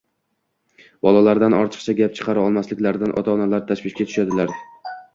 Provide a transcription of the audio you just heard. Bolalardan ortiqcha gap chiqara olmasliklaridan ota-onalar tashvishga tushadilar